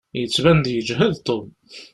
Yettban-d yeǧhed Tom.